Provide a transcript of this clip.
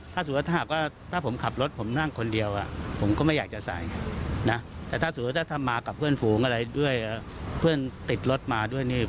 แต่ว่าที่เรานั่งกับคนอื่นด้วย